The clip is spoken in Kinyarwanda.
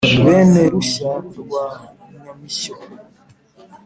Bene Rushya rwa Nyamishyo